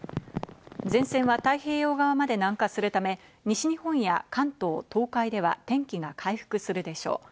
前線は太平洋側まで南下するため、西日本や関東、東海では天気が回復するでしょう。